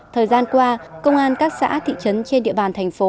thời gian qua công an các xã thị trấn trên địa bàn thành phố